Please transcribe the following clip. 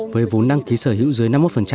với vốn đăng ký sở hữu dưới năm mươi một